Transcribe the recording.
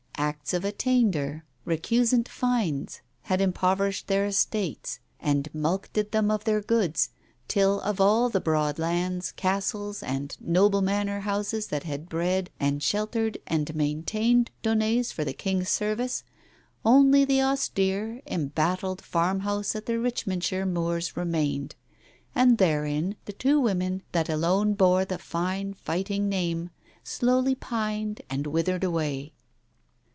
Acts of attainder, recusant fines, had impoverished their estates, and mulcted them of their goods, till of all the broad lands, castles and noble manor houses that had bred and sheltered and Digitized by Google THE BLUE BONNET 163 maintained Daunets for the King's service, only the austere, embattled farm house on the Richmondshire moors remained, and therein the two women that alone bore the fine fighting name slowly pined and withered away.